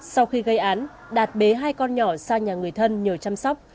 sau khi gây án đạt bế hai con nhỏ sang nhà người thân nhờ chăm sóc